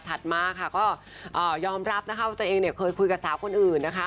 มาค่ะก็ยอมรับนะคะว่าตัวเองเนี่ยเคยคุยกับสาวคนอื่นนะคะ